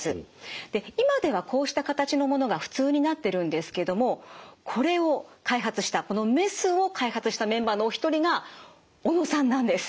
で今ではこうした形のものが普通になってるんですけどもこれを開発したこのメスを開発したメンバーのお一人が小野さんなんです。